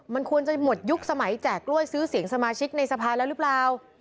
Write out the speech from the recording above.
มันควรจะหมดยุคสมัยแจกกล้วยซื้อเสียงสมาชิกในสภาแล้วหรือเปล่า